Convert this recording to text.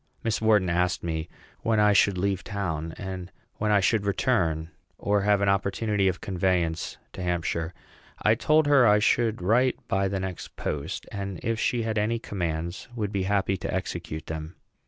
Miss Wharton asked me when I should leave town, and when I should return, or have an opportunity of conveyance to Hampshire. I told her I should write by the next post, and, if she had any commands, would be happy to execute them.